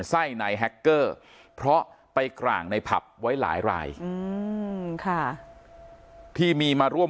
ใส่นายแฮคเกอร์เพราะไปกร่างในผักไว้หลายที่มีมาร่วม